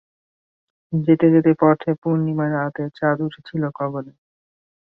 একটুখানি মাল খাবে?